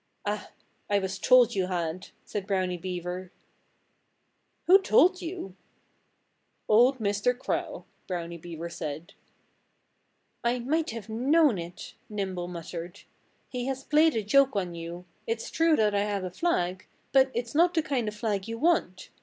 "Ah! I was told you had," said Brownie Beaver. "Who told you?" "Old Mr. Crow!" Brownie Beaver said. "I might have known it," Nimble muttered. "He has played a joke on you. It's true that I have a flag; but it's not the kind of flag you want.